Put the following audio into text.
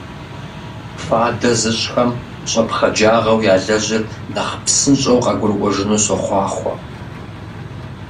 Фадэ зыщӀхэм щӀэпхъаджагъэу ялэжьыр нэхъ псынщӀэу къагурыӀуэжыну сохъуахъуэ!